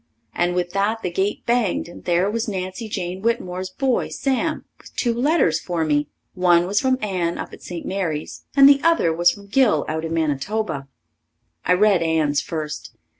And with that the gate banged and there was Nancy Jane Whitmore's boy, Sam, with two letters for me. One was from Anne up at St. Mary's and the other was from Gil out in Manitoba. I read Anne's first.